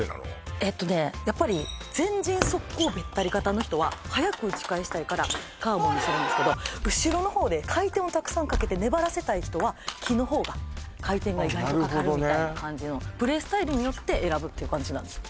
えっとねやっぱり前陣速攻べったり型の人は速く打ち返したいからカーボンにするんですけど後ろの方で回転をたくさんかけて粘らせたい人は木の方が回転が意外とかかるみたいな感じのプレースタイルによって選ぶっていう感じなんですよ